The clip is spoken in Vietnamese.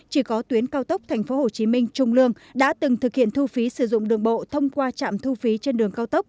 chỉ có tuyến cao tốc tp hcm trung lương đã từng thực hiện thu phí sử dụng đường bộ thông qua trạm thu phí trên đường cao tốc